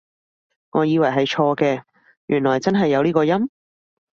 我以為係錯嘅，原來真係有呢個音？